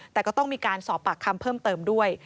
แต่ก็ต้องมีการสอบปากคำเพิ่มเติมด้วย